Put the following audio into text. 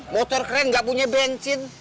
motor keren nggak punya bensin